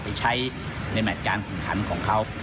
ไปใช้ในแหมดการสินคันของเขา